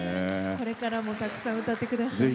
これからもたくさん歌ってください。